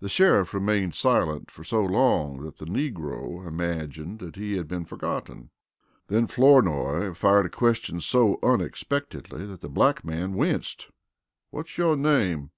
The sheriff remained silent for so long that the negro imagined he had been forgotten. Then Flournoy fired a question so unexpectedly that the black man winced: "What's your name?"